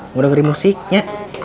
mau dengerin musiknya